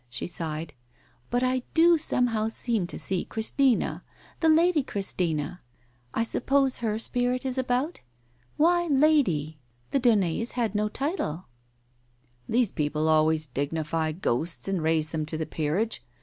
She sighed. "But I do somehow seem to see Christina — the Lady Christina. I suppose her spirit is about ? Why * Lady '? The Daunets had no title." "These people always dignify ghosts and raise them to the peerage.